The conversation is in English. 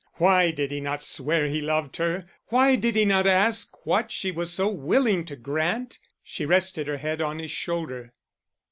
Why did he not swear he loved her? Why did he not ask what she was so willing to grant? She rested her head on his shoulder.